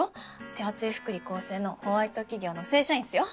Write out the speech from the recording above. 手厚い福利厚生のホワイト企業の正社員っすよ。